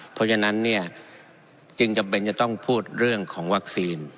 เพราะฉะนั้นเนี่ยจึงจำเป็นจะต้องพูดเรื่องของวัคซีน